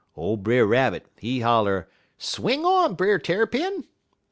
Ole Brer Rabbit, he holler 'Swing on, Brer Tarrypin!'